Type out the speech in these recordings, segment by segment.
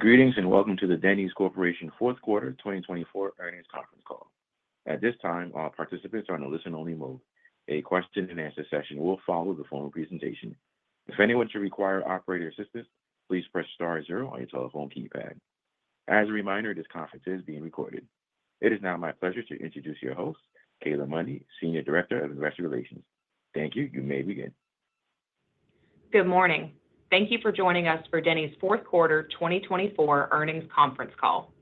Greetings and welcome to the Denny's Corporation Fourth Quarter 2024 earnings conference call. At this time, all participants are in a listen-only mode. A question-and-answer session will follow the formal presentation. If anyone should require operator assistance, please press star zero on your telephone keypad. As a reminder, this conference is being recorded. It is now my pleasure to introduce your host, Kayla Money, Senior Director of Investor Relations. Thank you. You may begin. Good morning. Thank you for joining us for Denny's fourth quarter 2024 earnings conference call.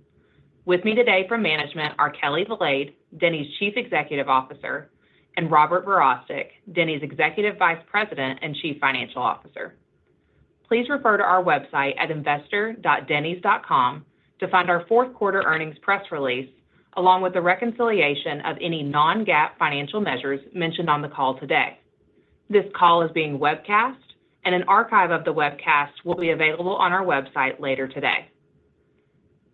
With me today from management are Kelli Valade, Denny's Chief Executive Officer, and Robert Verostek, Denny's Executive Vice President and Chief Financial Officer. Please refer to our website at investor.dennys.com to find our fourth quarter earnings press release, along with the reconciliation of any non-GAAP financial measures mentioned on the call today. This call is being webcast, and an archive of the webcast will be available on our website later today.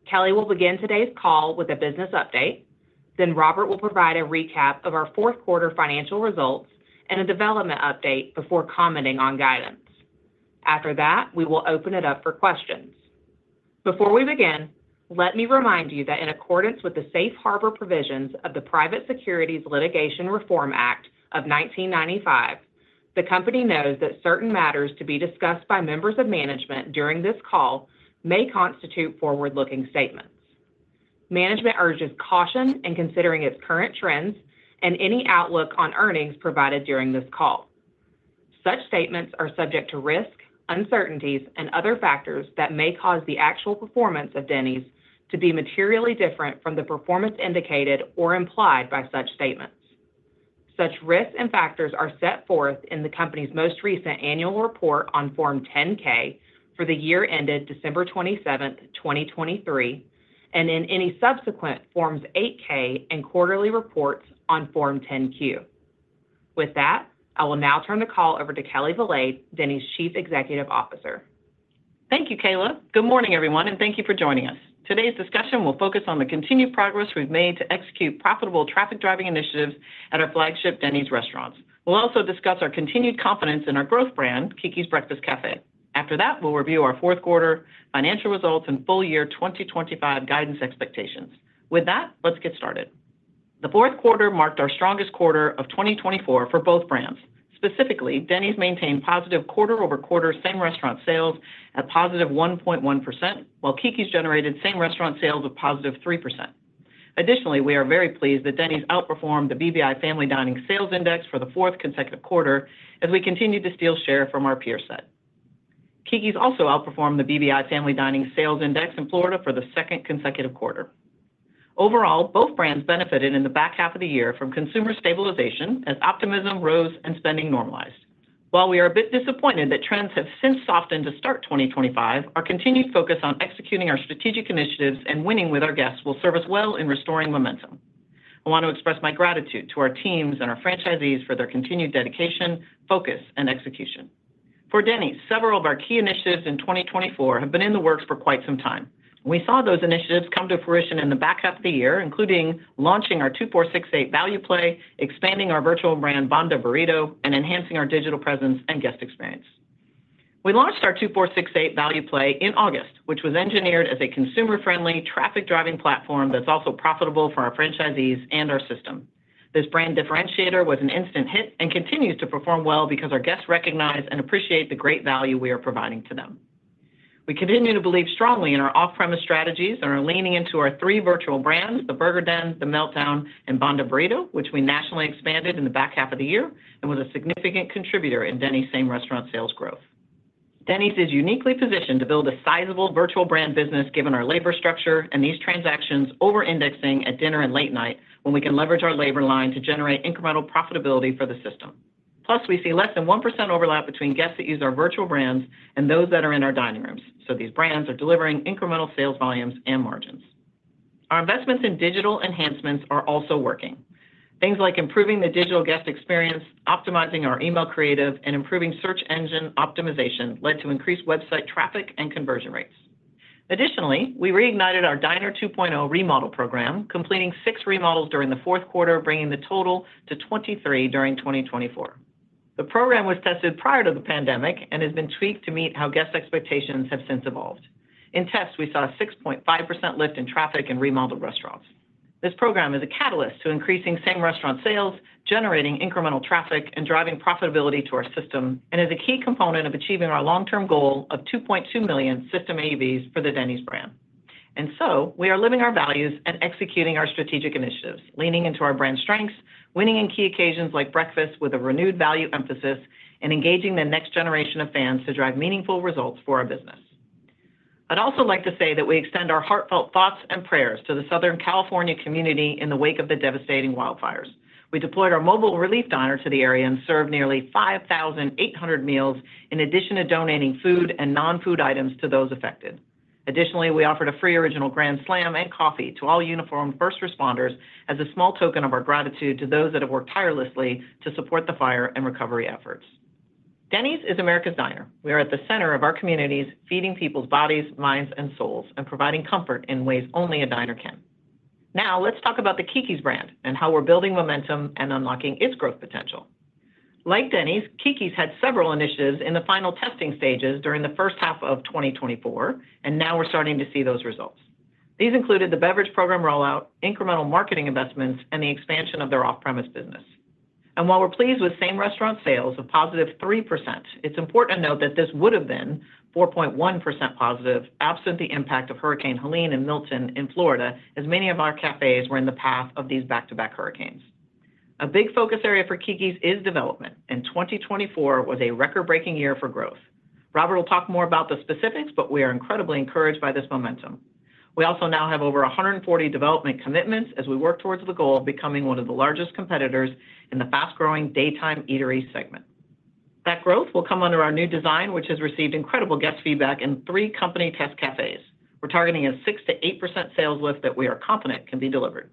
Kelli will begin today's call with a business update, then Robert will provide a recap of our fourth quarter financial results and a development update before commenting on guidance. After that, we will open it up for questions. Before we begin, let me remind you that in accordance with the safe harbor provisions of the Private Securities Litigation Reform Act of 1995, the company knows that certain matters to be discussed by members of management during this call may constitute forward-looking statements. Management urges caution in considering its current trends and any outlook on earnings provided during this call. Such statements are subject to risk, uncertainties, and other factors that may cause the actual performance of Denny's to be materially different from the performance indicated or implied by such statements. Such risks and factors are set forth in the company's most recent annual report on Form 10-K for the year ended December 27, 2023, and in any subsequent Forms 8-K and quarterly reports on Form 10-Q. With that, I will now turn the call over to Kelli Valade, Denny's Chief Executive Officer. Thank you, Kayla. Good morning, everyone, and thank you for joining us. Today's discussion will focus on the continued progress we've made to execute profitable traffic driving initiatives at our flagship Denny's restaurants. We'll also discuss our continued confidence in our growth brand, Keke's Breakfast Cafe. After that, we'll review our fourth quarter financial results and full year 2025 guidance expectations. With that, let's get started. The fourth quarter marked our strongest quarter of 2024 for both brands. Specifically, Denny's maintained positive quarter-over-quarter same restaurant sales at positive 1.1%, while Keke's generated same restaurant sales of positive 3%. Additionally, we are very pleased that Denny's outperformed the BBI Family Dining Sales Index for the fourth consecutive quarter as we continue to steal share from our peer set. Keke's also outperformed the BBI Family Dining Sales Index in Florida for the second consecutive quarter. Overall, both brands benefited in the back half of the year from consumer stabilization as optimism rose and spending normalized. While we are a bit disappointed that trends have since softened to start 2025, our continued focus on executing our strategic initiatives and winning with our guests will serve us well in restoring momentum. I want to express my gratitude to our teams and our franchisees for their continued dedication, focus, and execution. For Denny's, several of our key initiatives in 2024 have been in the works for quite some time. We saw those initiatives come to fruition in the back half of the year, including launching our 2468 Value Play, expanding our virtual brand Bonda Burrito, and enhancing our digital presence and guest experience. We launched our 2468 Value Play in August, which was engineered as a consumer-friendly traffic driving platform that's also profitable for our franchisees and our system. This brand differentiator was an instant hit and continues to perform well because our guests recognize and appreciate the great value we are providing to them. We continue to believe strongly in our off-premise strategies and are leaning into our three virtual brands, the Burger Den, the Meltdown, and Bonda Burrito, which we nationally expanded in the back half of the year and was a significant contributor in Denny's same restaurant sales growth. Denny's is uniquely positioned to build a sizable virtual brand business given our labor structure and these transactions over-indexing at dinner and late night when we can leverage our labor line to generate incremental profitability for the system. Plus, we see less than 1% overlap between guests that use our virtual brands and those that are in our dining rooms, so these brands are delivering incremental sales volumes and margins. Our investments in digital enhancements are also working. Things like improving the digital guest experience, optimizing our email creative, and improving search engine optimization led to increased website traffic and conversion rates. Additionally, we reignited our Diner 2.0 remodel program, completing six remodels during the fourth quarter, bringing the total to 23 during 2024. The program was tested prior to the pandemic and has been tweaked to meet how guest expectations have since evolved. In tests, we saw a 6.5% lift in traffic in remodeled restaurants. This program is a catalyst to increasing same restaurant sales, generating incremental traffic, and driving profitability to our system, and is a key component of achieving our long-term goal of $2.2 million system AUVs for the Denny's brand. We are living our values and executing our strategic initiatives, leaning into our brand strengths, winning in key occasions like breakfast with a renewed value emphasis, and engaging the next generation of fans to drive meaningful results for our business. I'd also like to say that we extend our heartfelt thoughts and prayers to the Southern California community in the wake of the devastating wildfires. We deployed our mobile relief donor to the area and served nearly 5,800 meals in addition to donating food and non-food items to those affected. Additionally, we offered a free Original Grand Slam and coffee to all uniformed first responders as a small token of our gratitude to those that have worked tirelessly to support the fire and recovery efforts. Denny's is America's diner. We are at the center of our communities, feeding people's bodies, minds, and souls, and providing comfort in ways only a diner can. Now, let's talk about the Keke's brand and how we're building momentum and unlocking its growth potential. Like Denny's, Keke's had several initiatives in the final testing stages during the first half of 2024, and now we're starting to see those results. These included the beverage program rollout, incremental marketing investments, and the expansion of their off-premise business. While we're pleased with same restaurant sales of positive 3%, it's important to note that this would have been 4.1% positive absent the impact of Hurricane Helene and Milton in Florida, as many of our cafes were in the path of these back-to-back hurricanes. A big focus area for Keke's is development, and 2024 was a record-breaking year for growth. Robert will talk more about the specifics, but we are incredibly encouraged by this momentum. We also now have over 140 development commitments as we work towards the goal of becoming one of the largest competitors in the fast-growing daytime eatery segment. That growth will come under our new design, which has received incredible guest feedback in three company test cafes. We're targeting a 6% to 8% sales lift that we are confident can be delivered.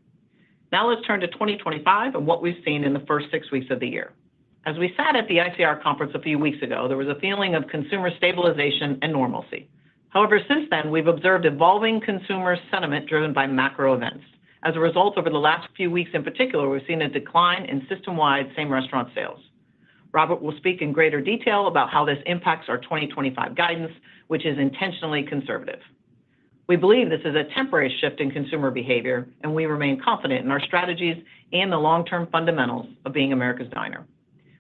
Now let's turn to 2025 and what we've seen in the first six weeks of the year. As we sat at the ICR conference a few weeks ago, there was a feeling of consumer stabilization and normalcy. However, since then, we've observed evolving consumer sentiment driven by macro events. As a result, over the last few weeks in particular, we've seen a decline in system-wide same restaurant sales. Robert will speak in greater detail about how this impacts our 2025 guidance, which is intentionally conservative. We believe this is a temporary shift in consumer behavior, and we remain confident in our strategies and the long-term fundamentals of being America's diner.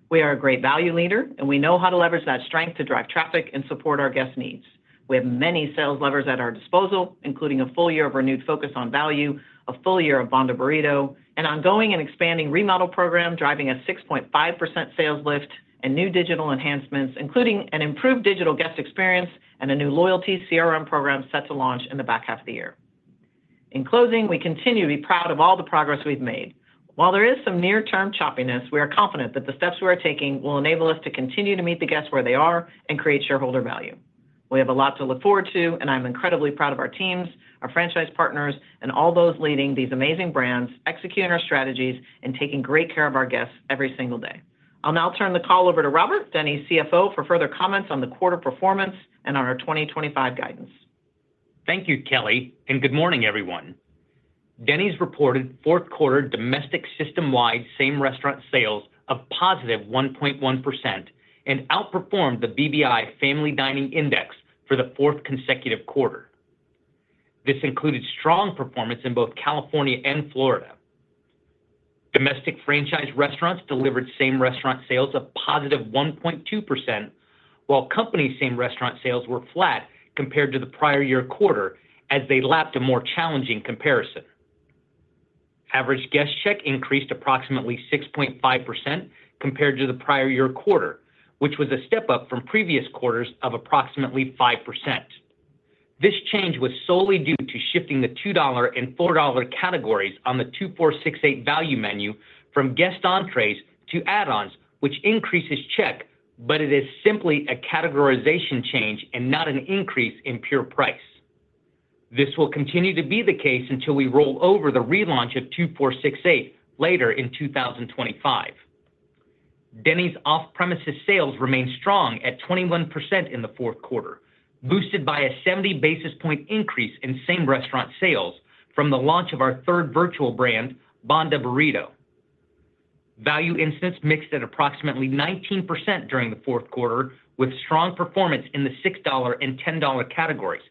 We are a great value leader, and we know how to leverage that strength to drive traffic and support our guest needs. We have many sales levers at our disposal, including a full year of renewed focus on value, a full year of Bonda Burrito, an ongoing and expanding remodel program driving a 6.5% sales lift, and new digital enhancements, including an improved digital guest experience and a new loyalty CRM program set to launch in the back half of the year. In closing, we continue to be proud of all the progress we've made. While there is some near-term choppiness, we are confident that the steps we are taking will enable us to continue to meet the guests where they are and create shareholder value. We have a lot to look forward to, and I'm incredibly proud of our teams, our franchise partners, and all those leading these amazing brands, executing our strategies, and taking great care of our guests every single day. I'll now turn the call over to Robert, Denny's CFO, for further comments on the quarter performance and on our 2025 guidance. Thank you, Kelli, and good morning, everyone. Denny's reported fourth quarter domestic system-wide same restaurant sales of positive 1.1% and outperformed the BBI Family Dining Sales Index for the fourth consecutive quarter. This included strong performance in both California and Florida. Domestic franchise restaurants delivered same restaurant sales of positive 1.2%, while company same restaurant sales were flat compared to the prior year quarter as they lapped a more challenging comparison. Average guest check increased approximately 6.5% compared to the prior year quarter, which was a step up from previous quarters of approximately 5%. This change was solely due to shifting the $2 and $4 categories on the 2468 Value Play menu from guest entrées to add-ons, which increases check, but it is simply a categorization change and not an increase in pure price. This will continue to be the case until we roll over the relaunch of 2468 later in 2025. Denny's off-premises sales remained strong at 21% in the fourth quarter, boosted by a 70 basis point increase in same restaurant sales from the launch of our third virtual brand, Bonda Burrito. Value incidents mixed at approximately 19% during the fourth quarter, with strong performance in the $6 and $10 categories,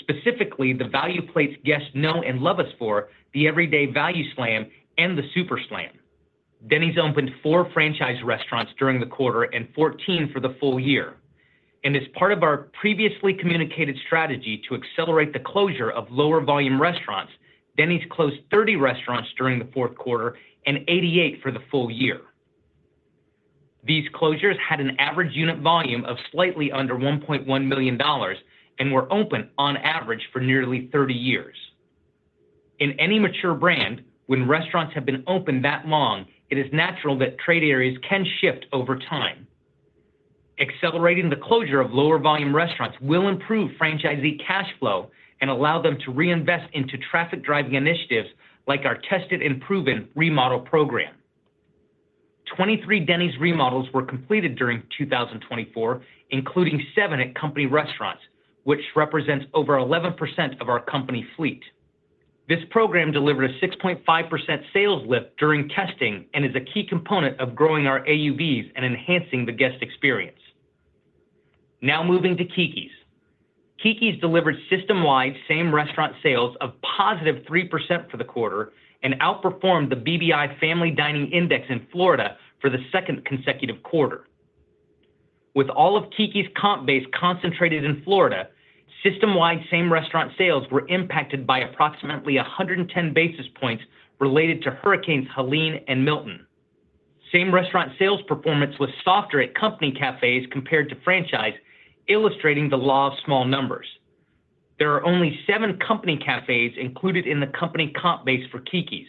specifically the value plates guests know and love us for, the Everyday Value Slam and the Super Slam. Denny's opened four franchise restaurants during the quarter and 14 for the full year. As part of our previously communicated strategy to accelerate the closure of lower volume restaurants, Denny's closed 30 restaurants during the fourth quarter and 88 for the full year. These closures had an average unit volume of slightly under $1.1 million and were open on average for nearly 30 years. In any mature brand, when restaurants have been opened that long, it is natural that trade areas can shift over time. Accelerating the closure of lower volume restaurants will improve franchisee cash flow and allow them to reinvest into traffic driving initiatives like our tested and proven remodel program. 23 Denny's remodels were completed during 2024, including seven at company restaurants, which represents over 11% of our company fleet. This program delivered a 6.5% sales lift during testing and is a key component of growing our AUVs and enhancing the guest experience. Now moving to Keke's. Keke's delivered system-wide same restaurant sales of positive 3% for the quarter and outperformed the BBI Family Dining Index in Florida for the second consecutive quarter. With all of Keke's comp base concentrated in Florida, system-wide same restaurant sales were impacted by approximately 110 basis points related to Hurricanes Helene and Milton. Same restaurant sales performance was softer at company cafes compared to franchise, illustrating the law of small numbers. There are only seven company cafes included in the company comp base for Keke's.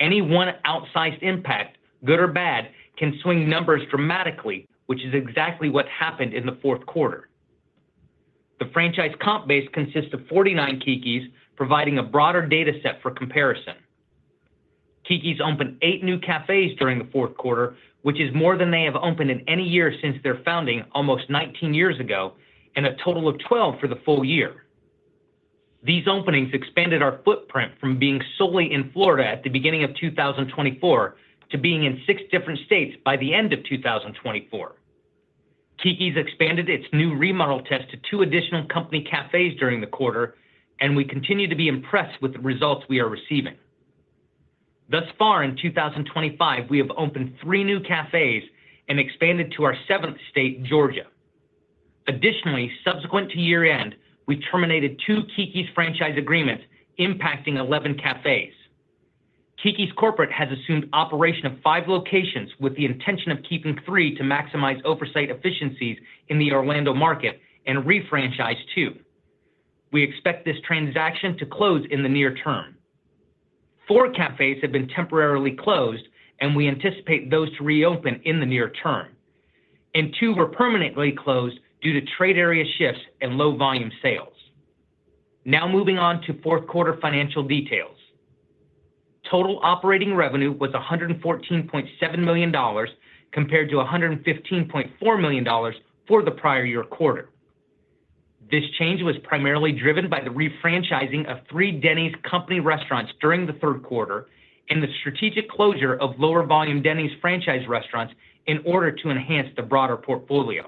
Any one outsized impact, good or bad, can swing numbers dramatically, which is exactly what happened in the fourth quarter. The franchise comp base consists of 49 Keke's, providing a broader data set for comparison. Keke's opened eight new cafes during the fourth quarter, which is more than they have opened in any year since their founding almost 19 years ago, and a total of 12 for the full year. These openings expanded our footprint from being solely in Florida at the beginning of 2024 to being in six different states by the end of 2024. Keke's expanded its new remodel test to two additional company cafes during the quarter, and we continue to be impressed with the results we are receiving. Thus far in 2025, we have opened three new cafes and expanded to our seventh state, Georgia. Additionally, subsequent to year-end, we terminated two Keke's franchise agreements, impacting 11 cafes. Keke's corporate has assumed operation of five locations with the intention of keeping three to maximize oversight efficiencies in the Orlando market and refranchise two. We expect this transaction to close in the near term. Four cafes have been temporarily closed, and we anticipate those to reopen in the near term. Two were permanently closed due to trade area shifts and low volume sales. Now moving on to fourth quarter financial details. Total operating revenue was $114.7 million compared to $115.4 million for the prior year quarter. This change was primarily driven by the refranchising of three Denny's company restaurants during the third quarter and the strategic closure of lower volume Denny's franchise restaurants in order to enhance the broader portfolio.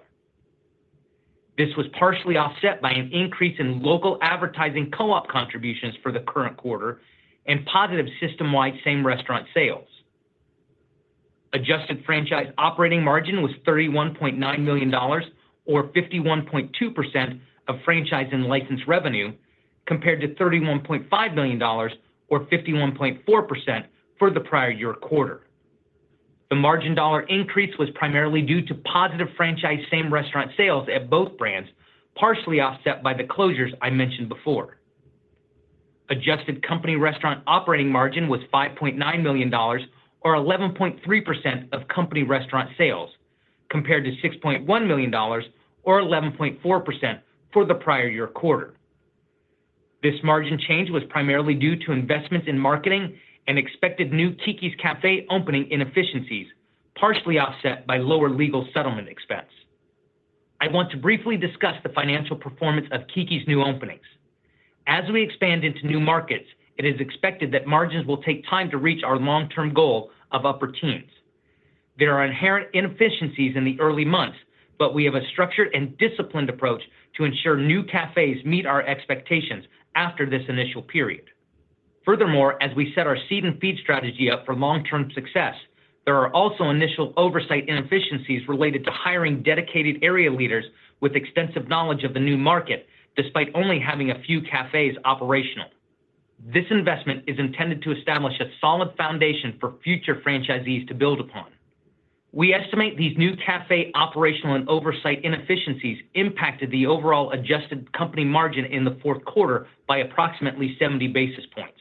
This was partially offset by an increase in local advertising co-op contributions for the current quarter and positive system-wide same restaurant sales. Adjusted franchise operating margin was $31.9 million, or 51.2% of franchise and license revenue, compared to $31.5 million, or 51.4% for the prior year quarter. The margin dollar increase was primarily due to positive franchise same restaurant sales at both brands, partially offset by the closures I mentioned before. Adjusted company restaurant operating margin was $5.9 million, or 11.3% of company restaurant sales, compared to $6.1 million, or 11.4% for the prior year quarter. This margin change was primarily due to investments in marketing and expected new Keke's Cafe opening inefficiencies, partially offset by lower legal settlement expense. I want to briefly discuss the financial performance of Keke's new openings. As we expand into new markets, it is expected that margins will take time to reach our long-term goal of upper teens. There are inherent inefficiencies in the early months, but we have a structured and disciplined approach to ensure new cafes meet our expectations after this initial period. Furthermore, as we set our seed and feed strategy up for long-term success, there are also initial oversight inefficiencies related to hiring dedicated area leaders with extensive knowledge of the new market, despite only having a few cafes operational. This investment is intended to establish a solid foundation for future franchisees to build upon. We estimate these new cafe operational and oversight inefficiencies impacted the overall adjusted company margin in the fourth quarter by approximately 70 basis points.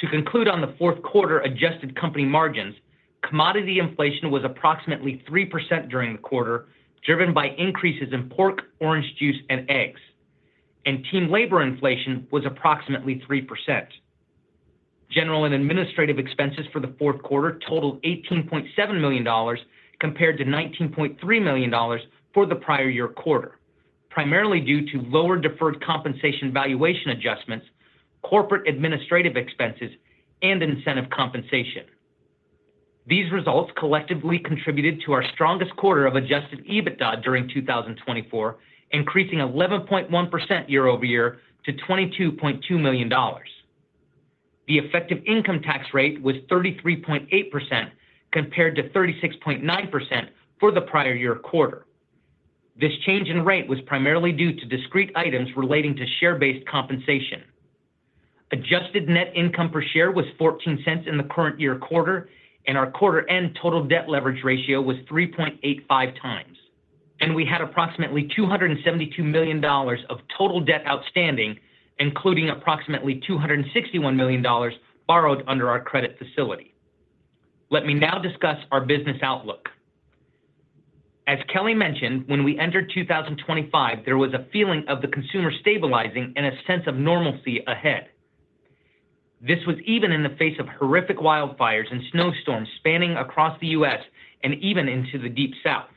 To conclude on the fourth quarter adjusted company margins, commodity inflation was approximately 3% during the quarter, driven by increases in pork, orange juice, and eggs. Team labor inflation was approximately 3%. General and administrative expenses for the fourth quarter totaled $18.7 million compared to $19.3 million for the prior year quarter, primarily due to lower deferred compensation valuation adjustments, corporate administrative expenses, and incentive compensation. These results collectively contributed to our strongest quarter of adjusted EBITDA during 2024, increasing 11.1% year-over-year to $22.2 million. The effective income tax rate was 33.8% compared to 36.9% for the prior year quarter. This change in rate was primarily due to discrete items relating to share-based compensation. Adjusted net income per share was $0.14 in the current year quarter, and our quarter-end total debt leverage ratio was 3.85x. We had approximately $272 million of total debt outstanding, including approximately $261 million borrowed under our credit facility. Let me now discuss our business outlook. As Kelli mentioned, when we entered 2025, there was a feeling of the consumer stabilizing and a sense of normalcy ahead. This was even in the face of horrific wildfires and snowstorms spanning across the U.S. and even into the Deep South.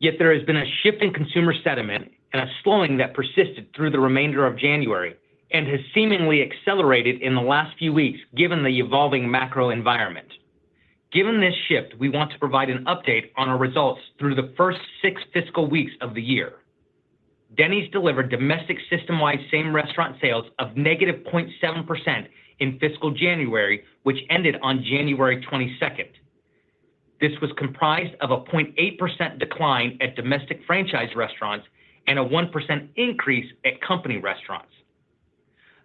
Yet there has been a shift in consumer sentiment and a slowing that persisted through the remainder of January and has seemingly accelerated in the last few weeks given the evolving macroenvironment. Given this shift, we want to provide an update on our results through the first six fiscal weeks of the year. Denny's delivered domestic system-wide same restaurant sales of -0.7% in fiscal January, which ended on January 22nd. This was comprised of a 0.8% decline at domestic franchise restaurants and a 1% increase at company restaurants.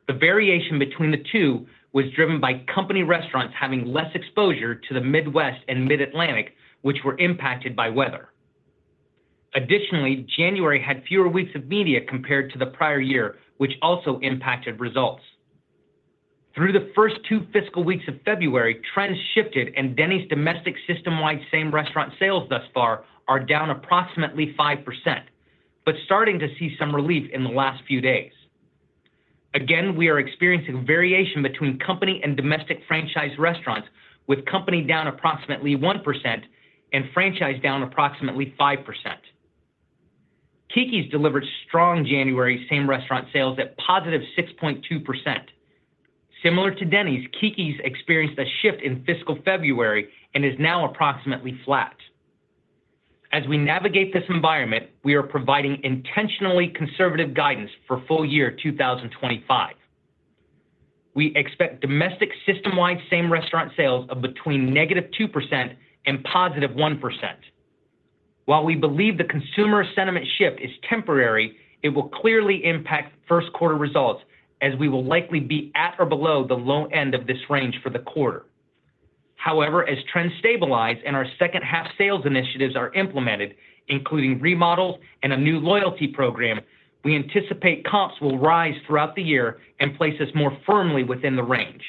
The variation between the two was driven by company restaurants having less exposure to the Midwest and Mid-Atlantic, which were impacted by weather. Additionally, January had fewer weeks of media compared to the prior year, which also impacted results. Through the first two fiscal weeks of February, trends shifted, and Denny's domestic system-wide same restaurant sales thus far are down approximately 5%, but starting to see some relief in the last few days. Again, we are experiencing variation between company and domestic franchise restaurants, with company down approximately 1% and franchise down approximately 5%. Keke's delivered strong January same restaurant sales at positive 6.2%. Similar to Denny's, Keke's experienced a shift in fiscal February and is now approximately flat. As we navigate this environment, we are providing intentionally conservative guidance for full year 2025. We expect domestic system-wide same restaurant sales of between -2% and +1%. While we believe the consumer sentiment shift is temporary, it will clearly impact first quarter results as we will likely be at or below the low end of this range for the quarter. However, as trends stabilize and our second-half sales initiatives are implemented, including remodels and a new loyalty program, we anticipate comps will rise throughout the year and place us more firmly within the range.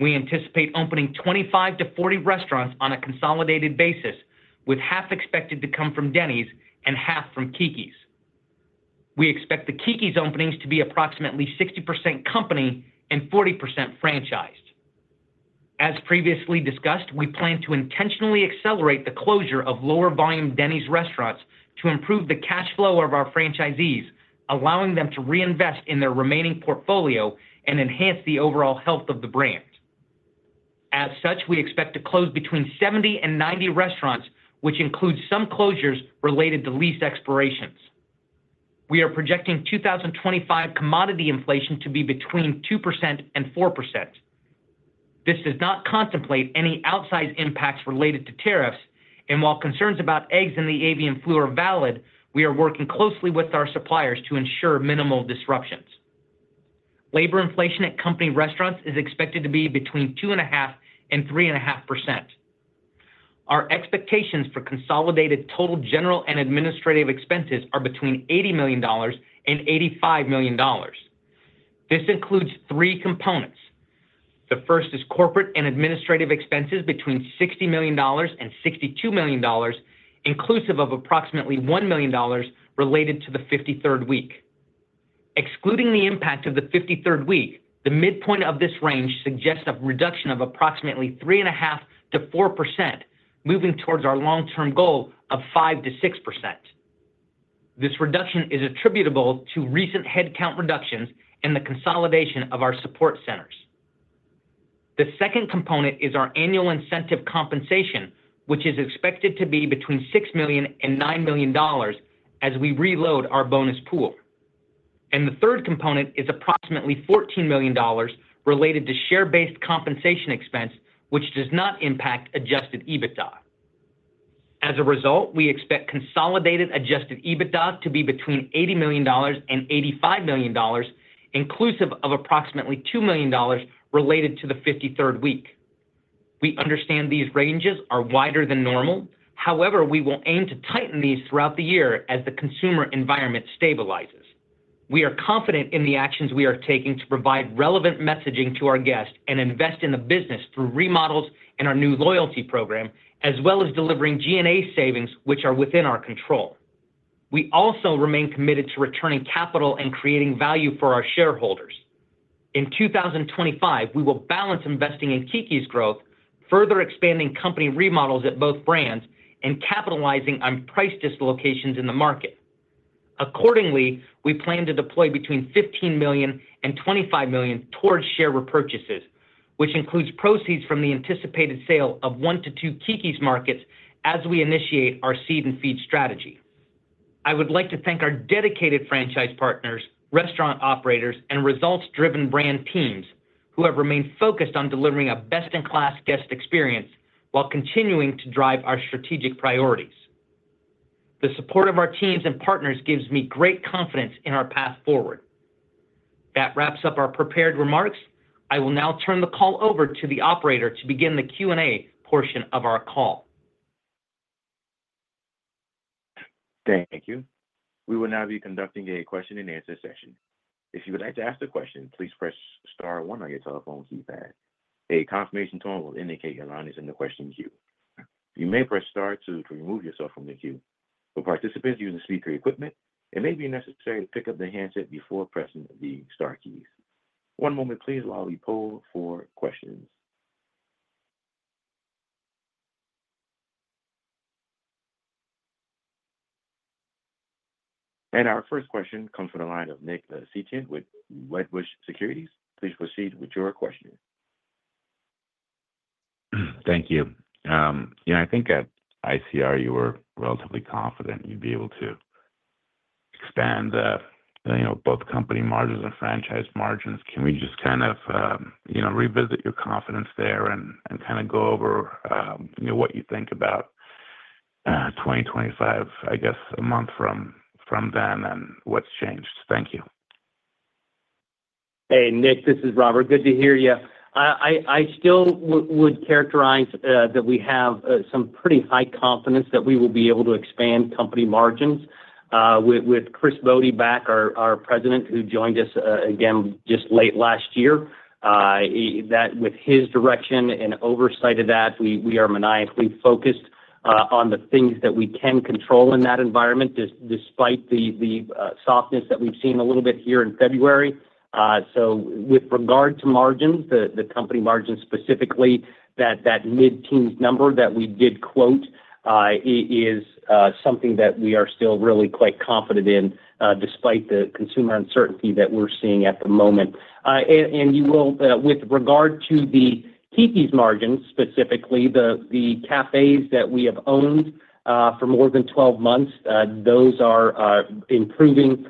We anticipate opening 25-40 restaurants on a consolidated basis, with half expected to come from Denny's and half from Keke's. We expect the Keke's openings to be approximately 60% company and 40% franchised. As previously discussed, we plan to intentionally accelerate the closure of lower volume Denny's restaurants to improve the cash flow of our franchisees, allowing them to reinvest in their remaining portfolio and enhance the overall health of the brand. As such, we expect to close between 70 and 90 restaurants, which includes some closures related to lease expirations. We are projecting 2025 commodity inflation to be between 2% and 4%. This does not contemplate any outsized impacts related to tariffs, and while concerns about eggs and the avian flu are valid, we are working closely with our suppliers to ensure minimal disruptions. Labor inflation at company restaurants is expected to be between 2.5% and 3.5%. Our expectations for consolidated total general and administrative expenses are between $80 million and $85 million. This includes three components. The first is corporate and administrative expenses between $60 million and $62 million, inclusive of approximately $1 million related to the 53rd week. Excluding the impact of the 53rd week, the midpoint of this range suggests a reduction of approximately 3.5% to 4%, moving towards our long-term goal of 5% to 6%. This reduction is attributable to recent headcount reductions and the consolidation of our support centers. The second component is our annual incentive compensation, which is expected to be between $6 million and $9 million as we reload our bonus pool. The third component is approximately $14 million related to share-based compensation expense, which does not impact adjusted EBITDA. As a result, we expect consolidated adjusted EBITDA to be between $80 million and $85 million, inclusive of approximately $2 million related to the 53rd week. We understand these ranges are wider than normal. However, we will aim to tighten these throughout the year as the consumer environment stabilizes. We are confident in the actions we are taking to provide relevant messaging to our guests and invest in the business through remodels and our new loyalty program, as well as delivering G&A savings, which are within our control. We also remain committed to returning capital and creating value for our shareholders. In 2025, we will balance investing in Keke's growth, further expanding company remodels at both brands, and capitalizing on price dislocations in the market. Accordingly, we plan to deploy between $15 million and $25 million towards share repurchases, which includes proceeds from the anticipated sale of one to two Keke's markets as we initiate our seed and feed strategy. I would like to thank our dedicated franchise partners, restaurant operators, and results-driven brand teams who have remained focused on delivering a best-in-class guest experience while continuing to drive our strategic priorities. The support of our teams and partners gives me great confidence in our path forward. That wraps up our prepared remarks. I will now turn the call over to the operator to begin the Q&A portion of our call. Thank you. We will now be conducting a question-and-answer session. If you would like to ask a question, please press star one on your telephone keypad. A confirmation tone will indicate your line is in the question queue. You may press star two to remove yourself from the queue. For participants using speaker equipment, it may be necessary to pick up the handset before pressing the star keys. One moment, please, while we poll for questions. Our first question comes from the line of Nick Setyan with Wedbush Securities. Please proceed with your question. Thank you. Yeah, I think at ICR you were relatively confident you'd be able to expand both company margins and franchise margins. Can we just kind of revisit your confidence there and kind of go over what you think about 2025, I guess, a month from then and what's changed? Thank you. Hey, Nick, this is Robert. Good to hear you. I still would characterize that we have some pretty high confidence that we will be able to expand company margins. With Chris Bode back, our President, who joined us again just late last year, with his direction and oversight of that, we are maniacally focused on the things that we can control in that environment despite the softness that we've seen a little bit here in February. With regard to margins, the company margins specifically, that mid-teens number that we did quote is something that we are still really quite confident in despite the consumer uncertainty that we're seeing at the moment. With regard to the Keke's margins specifically, the cafes that we have owned for more than 12 months, those are improving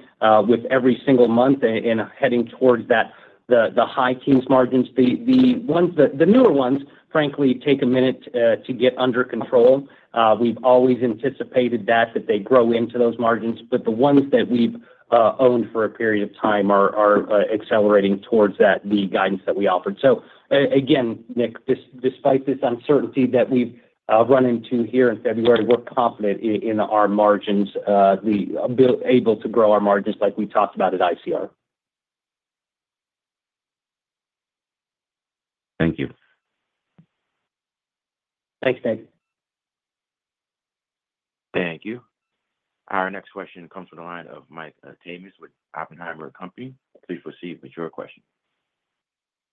with every single month and heading towards the high teens margins. The newer ones, frankly, take a minute to get under control. We've always anticipated that, that they grow into those margins, but the ones that we've owned for a period of time are accelerating towards the guidance that we offered. Again, Nick, despite this uncertainty that we've run into here in February, we're confident in our margins, able to grow our margins like we talked about at ICR. Thank you. Thanks, Nick. Thank you. Our next question comes from the line of Mike Tamas with Oppenheimer & Company. Please proceed with your question.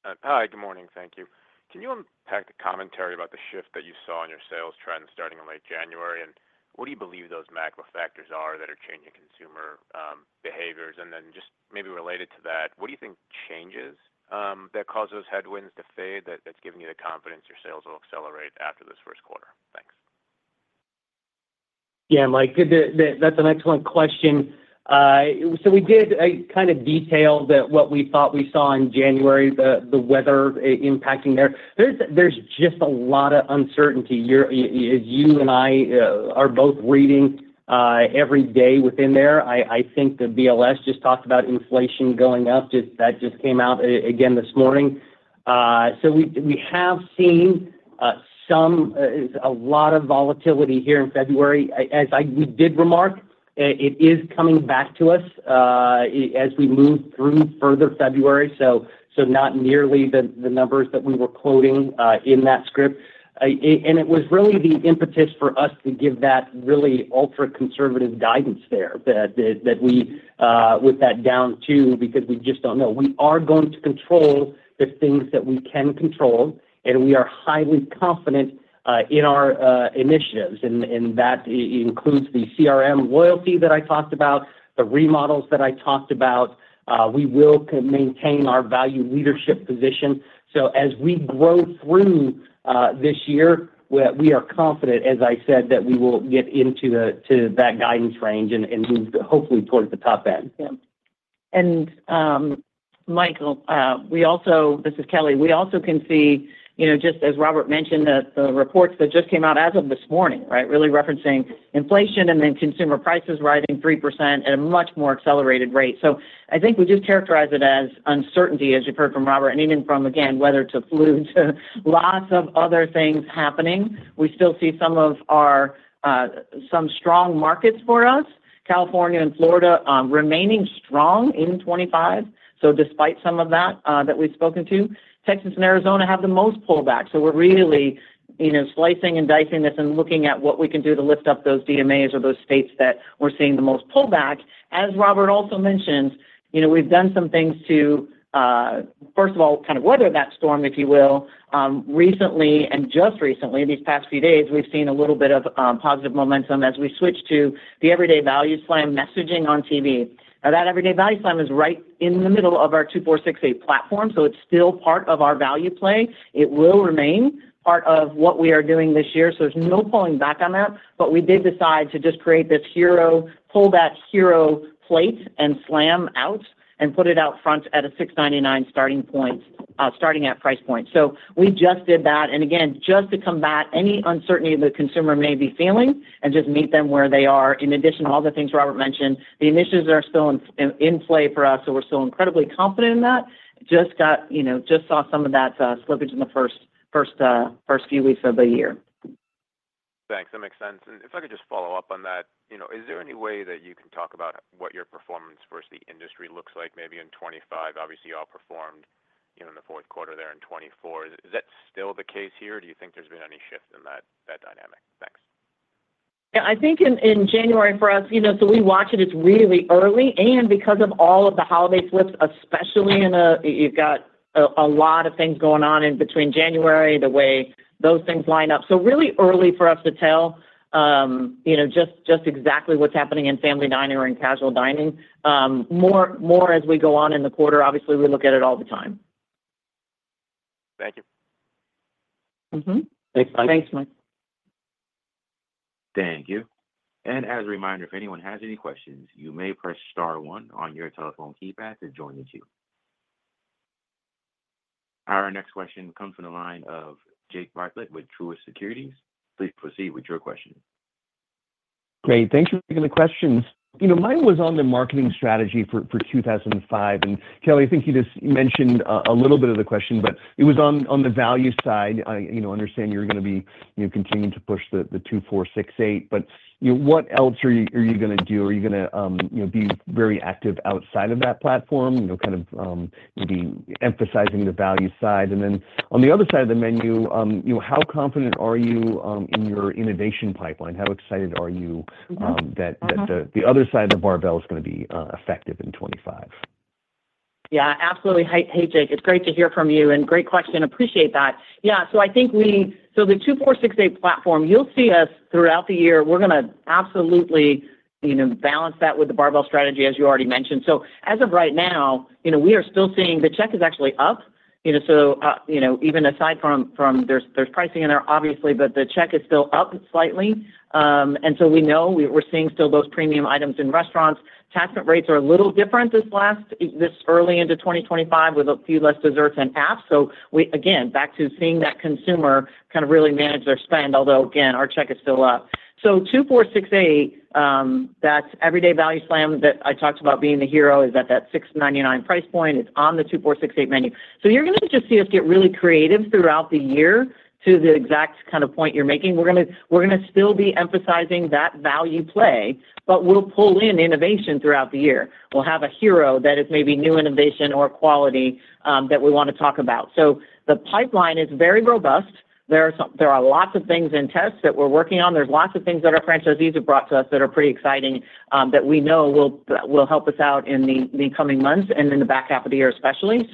Hi, good morning. Thank you. Can you unpack the commentary about the shift that you saw in your sales trends starting in late January? What do you believe those macro factors are that are changing consumer behaviors? Just maybe related to that, what do you think changes that cause those headwinds to fade that's giving you the confidence your sales will accelerate after this first quarter? Thanks. Yeah, Mike, that's an excellent question. We did kind of detail what we thought we saw in January, the weather impacting there. There's just a lot of uncertainty. As you and I are both reading every day within there, I think the BLS just talked about inflation going up. That just came out again this morning. We have seen a lot of volatility here in February. As we did remark, it is coming back to us as we move through further February. Not nearly the numbers that we were quoting in that script. It was really the impetus for us to give that really ultra-conservative guidance there that we with that down too because we just don't know. We are going to control the things that we can control, and we are highly confident in our initiatives. That includes the CRM loyalty that I talked about, the remodels that I talked about. We will maintain our value leadership position. As we grow through this year, we are confident, as I said, that we will get into that guidance range and move hopefully towards the top end. Yeah. Michael, this is Kelli. We also can see, just as Robert mentioned, the reports that just came out as of this morning, right, really referencing inflation and then consumer prices rising 3% at a much more accelerated rate. I think we just characterize it as uncertainty, as you've heard from Robert, anything from, again, weather to flu to lots of other things happening. We still see some strong markets for us, California and Florida remaining strong in 2025. Despite some of that that we've spoken to, Texas and Arizona have the most pullback. We're really slicing and dicing this and looking at what we can do to lift up those DMAs or those states that we're seeing the most pullback. As Robert also mentioned, we've done some things to, first of all, kind of weather that storm, if you will. Recently and just recently, these past few days, we've seen a little bit of positive momentum as we switch to the Everyday Value Slam messaging on TV. Now, that Everyday Value Slam is right in the middle of our 2468 platform, so it's still part of our value play. It will remain part of what we are doing this year. There's no pulling back on that. We did decide to just create this hero, pull that hero plate and slam out and put it out front at a $6.99 starting point, starting at price point. We just did that. Again, just to combat any uncertainty the consumer may be feeling and just meet them where they are. In addition to all the things Robert mentioned, the initiatives are still in play for us, so we're still incredibly confident in that. Just saw some of that slippage in the first few weeks of the year. Thanks. That makes sense. If I could just follow up on that, is there any way that you can talk about what your performance versus the industry looks like maybe in 2025? Obviously, you all performed in the fourth quarter there in 2024. Is that still the case here, or do you think there's been any shift in that dynamic? Thanks. Yeah, I think in January for us, we watch it. It's really early. Because of all of the holiday flips, especially in a, you've got a lot of things going on in between January, the way those things line up. Really early for us to tell just exactly what's happening in family dining or in casual dining. More as we go on in the quarter, obviously, we look at it all the time. Thank you. Thanks, Mike. Thanks, Mike. Thank you. As a reminder, if anyone has any questions, you may press star one on your telephone keypad to join the queue. Our next question comes from the line of Jake Bartlett with Truist Securities. Please proceed with your question. Great. Thanks for taking the question. Mine was on the marketing strategy for 2025. Kelli, I think you just mentioned a little bit of the question, but it was on the value side. I understand you're going to be continuing to push the 2468. What else are you going to do? Are you going to be very active outside of that platform, kind of maybe emphasizing the value side? On the other side of the menu, how confident are you in your innovation pipeline? How excited are you that the other side of the barbell is going to be effective in 2025? Yeah, absolutely. Hey, Jake, it's great to hear from you. Great question. Appreciate that. Yeah. I think we, so the 2468 platform, you'll see us throughout the year. We're going to absolutely balance that with the barbell strategy, as you already mentioned. As of right now, we are still seeing the check is actually up. Even aside from there's pricing in there, obviously, but the check is still up slightly. We know we're seeing still those premium items in restaurants. Tax rates are a little different this early into 2025 with a few less desserts and apps. Again, back to seeing that consumer kind of really manage their spend, although, again, our check is still up. So 2468, that Everyday Value Slam that I talked about being the hero is at that $6.99 price point. It's on the 2468 menu. So you're going to just see us get really creative throughout the year to the exact kind of point you're making. We're going to still be emphasizing that value play, but we'll pull in innovation throughout the year. We'll have a hero that is maybe new innovation or quality that we want to talk about. So the pipeline is very robust. There are lots of things in tests that we're working on. are lots of things that our franchisees have brought to us that are pretty exciting that we know will help us out in the coming months and in the back half of the year, especially.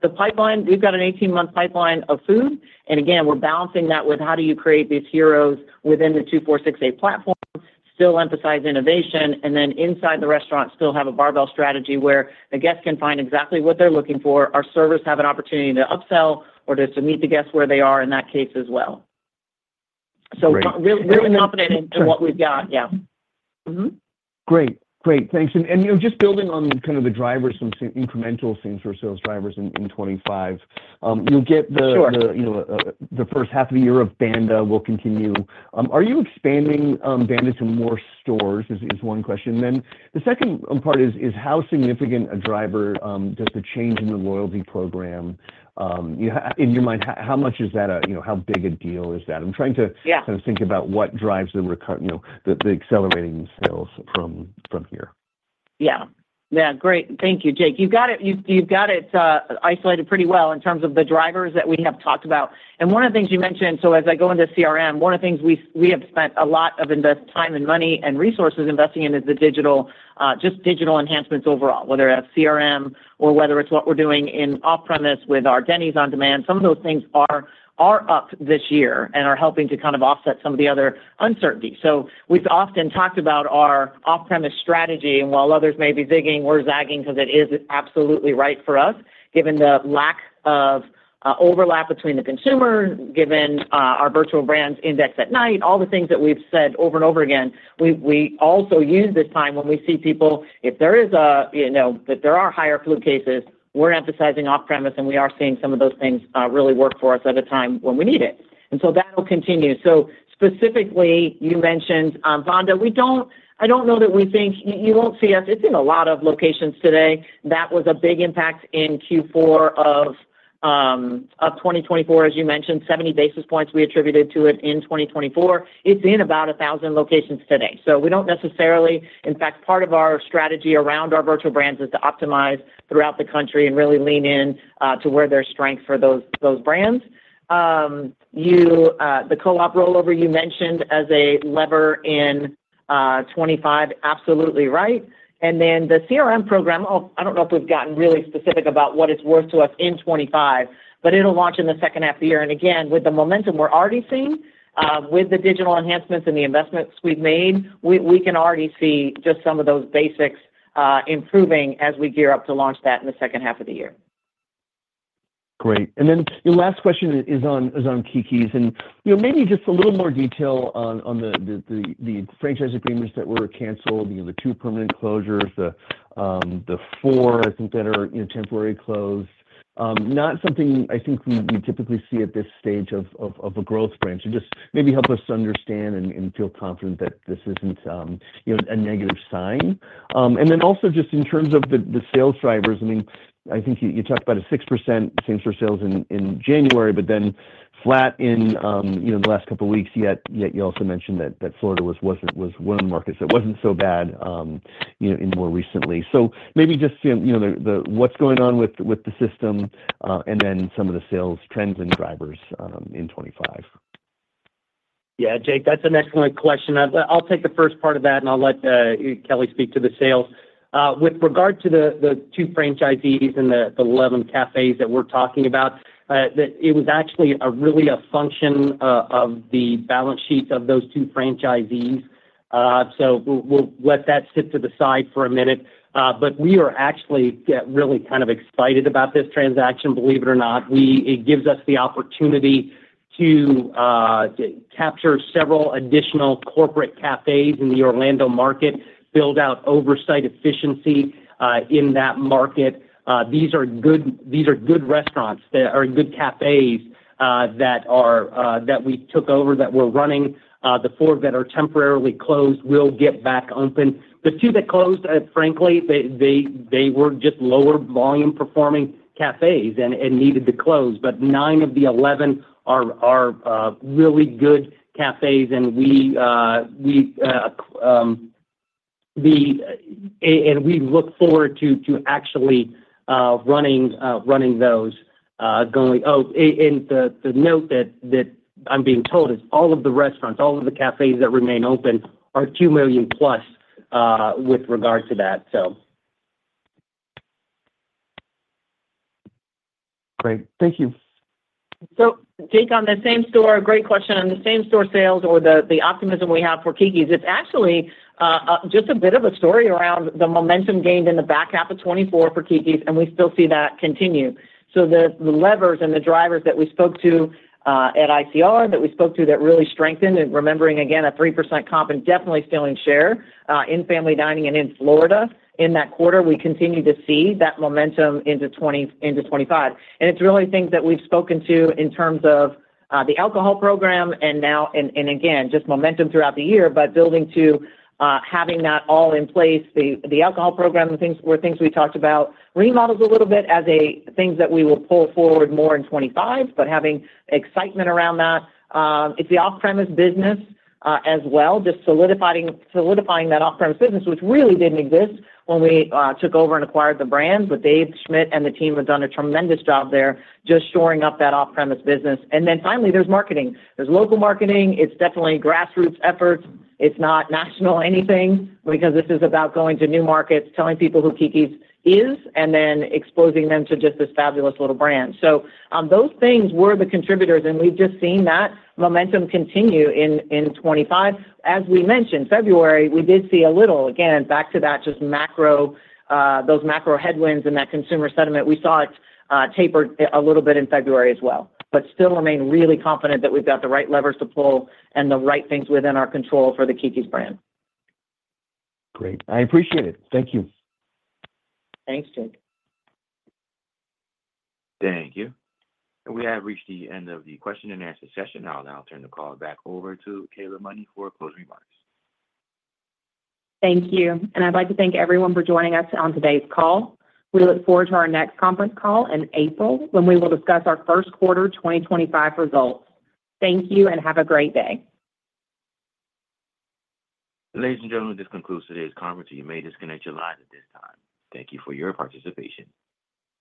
The pipeline, we have an 18-month pipeline of food. Again, we are balancing that with how do you create these heroes within the 2468 platform, still emphasize innovation, and then inside the restaurant still have a barbell strategy where the guests can find exactly what they are looking for. Our servers have an opportunity to upsell or just to meet the guests where they are in that case as well. Really confident in what we have. Yeah. Great. Great. Thanks. Just building on kind of the drivers, some incremental things for sales drivers in 2025, you will get the first half of the year of Bonda will continue. Are you expanding Bonda to more stores is one question. The second part is how significant a driver does the change in the loyalty program? In your mind, how much is that, how big a deal is that? I'm trying to kind of think about what drives the accelerating sales from here. Yeah. Yeah. Great. Thank you, Jake. You've got it isolated pretty well in terms of the drivers that we have talked about. One of the things you mentioned, as I go into CRM, one of the things we have spent a lot of time and money and resources investing in is the digital, just digital enhancements overall, whether that's CRM or whether it's what we're doing in off-premise with our Denny's on demand. Some of those things are up this year and are helping to kind of offset some of the other uncertainty. We have often talked about our off-premise strategy. While others may be digging, we're zagging because it is absolutely right for us, given the lack of overlap between the consumer, given our virtual brands index at night, all the things that we've said over and over again. We also use this time when we see people, if there is a that there are higher flu cases, we're emphasizing off-premise, and we are seeing some of those things really work for us at a time when we need it. That will continue. Specifically, you mentioned Bonda. I don't know that we think you won't see us. It's in a lot of locations today. That was a big impact in Q4 of 2024, as you mentioned, 70 basis points we attributed to it in 2024. It's in about 1,000 locations today. We do not necessarily, in fact, part of our strategy around our virtual brands is to optimize throughout the country and really lean in to where there are strengths for those brands. The co-op rollover you mentioned as a lever in 2025, absolutely right. The CRM program, I do not know if we have gotten really specific about what it is worth to us in 2025, but it will launch in the second half of the year. Again, with the momentum we are already seeing, with the digital enhancements and the investments we have made, we can already see just some of those basics improving as we gear up to launch that in the second half of the year. Great. Your last question is on Keke's. Maybe just a little more detail on the franchise agreements that were canceled, the two permanent closures, the four that are temporarily closed. Not something I think we typically see at this stage of a growth branch. Just maybe help us understand and feel confident that this isn't a negative sign. Also, just in terms of the sales drivers, I mean, I think you talked about a 6% same-store sales in January, but then flat in the last couple of weeks. Yet you also mentioned that Florida was one of the markets that wasn't so bad more recently. Maybe just what's going on with the system and then some of the sales trends and drivers in 2025. Yeah, Jake, that's an excellent question. I'll take the first part of that, and I'll let Kelli speak to the sales. With regard to the two franchisees and the 11 cafes that we're talking about, it was actually really a function of the balance sheets of those two franchisees. We'll let that sit to the side for a minute. We are actually really kind of excited about this transaction, believe it or not. It gives us the opportunity to capture several additional corporate cafes in the Orlando market, build out oversight efficiency in that market. These are good restaurants that are good cafes that we took over that we're running. The four that are temporarily closed will get back open. The two that closed, frankly, they were just lower volume performing cafes and needed to close. Nine of the 11 are really good cafes. We look forward to actually running those. Oh, and the note that I'm being told is all of the restaurants, all of the cafes that remain open are $2 million plus with regard to that. Great. Thank you. Jake, on the same store, great question. On the same store sales or the optimism we have for Keke's, it's actually just a bit of a story around the momentum gained in the back half of 2024 for Keke's, and we still see that continue. The levers and the drivers that we spoke to at ICR, that we spoke to that really strengthened, and remembering again, a 3% comp and definitely stealing share in family dining and in Florida in that quarter, we continue to see that momentum into 2025. It is really things that we've spoken to in terms of the alcohol program and again, just momentum throughout the year, but building to having that all in place. The alcohol program were things we talked about, remodels a little bit as things that we will pull forward more in 2025, but having excitement around that. It's the off-premise business as well, just solidifying that off-premise business, which really didn't exist when we took over and acquired the brand. Dave Schmidt and the team have done a tremendous job there just shoring up that off-premise business. Finally, there's marketing. There's local marketing. It's definitely grassroots efforts. It's not national anything because this is about going to new markets, telling people who Keke's is, and then exposing them to just this fabulous little brand. Those things were the contributors, and we've just seen that momentum continue in 2025. As we mentioned, February, we did see a little, again, back to that, just those macro headwinds and that consumer sentiment. We saw it tapered a little bit in February as well, but still remain really confident that we've got the right levers to pull and the right things within our control for the Keke's brand. Great. I appreciate it. Thank you. Thanks, Jake. Thank you. We have reached the end of the question-and-answer session. I'll now turn the call back over to Kayla Money for closing remarks. Thank you. I'd like to thank everyone for joining us on today's call. We look forward to our next conference call in April when we will discuss our first quarter 2025 results. Thank you and have a great day. Ladies and gentlemen, this concludes today's conference. You may disconnect your lines at this time. Thank you for your participation.